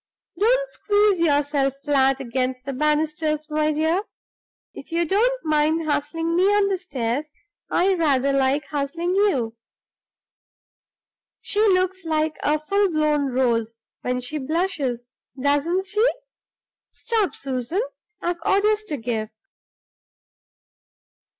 Don't squeeze yourself flat against the banisters, my dear; if you don't mind hustling me on the stairs, I rather like hustling you. She looks like a full blown rose when she blushes, doesn't she? Stop, Susan! I've orders to give.